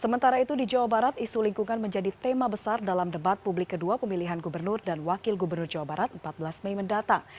sementara itu di jawa barat isu lingkungan menjadi tema besar dalam debat publik kedua pemilihan gubernur dan wakil gubernur jawa barat empat belas mei mendatang